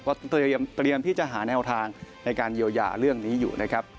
เพราะเตรียมที่จะหาแนวทางในการเยียวยาเรื่องนี้อยู่นะครับ